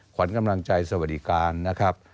ขวัญกำลังใจสวัสดิการนะครับ